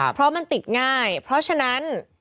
เพราะมันติดง่ายเพราะฉะนั้น